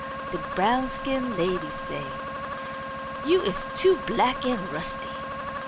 dem brown skin ladies say. "You is too black an' rusty!